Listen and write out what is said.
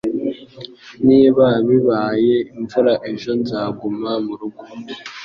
Niba bibaye imvura ejo nzaguma murugo.